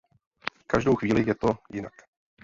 Každou chvíli je to jinak.